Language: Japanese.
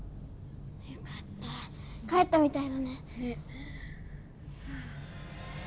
よかった帰ったみたいだね。ね。